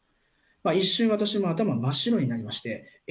一瞬、私も頭真っ白になりまして、え？